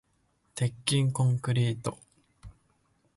鉄筋コンクリート